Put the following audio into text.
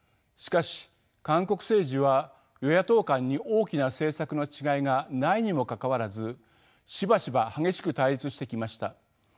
しかし韓国政治は与野党間に大きな政策の違いがないにもかかわらずしばしば激しく対立してきました。